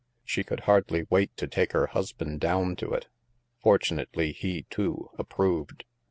She could hardly wait to take her husband down to it. Fortunately he, too, approved.